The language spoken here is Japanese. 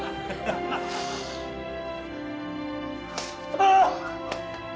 ああ！